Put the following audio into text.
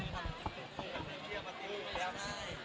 เพื่อนไปดูก่อนมั้ย